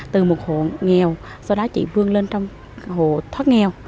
từ một hộ nghèo sau đó chị vươn lên trong hộ thoát nghèo